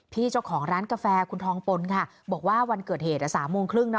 เจ้าของร้านกาแฟคุณทองปนค่ะบอกว่าวันเกิดเหตุ๓โมงครึ่งนะ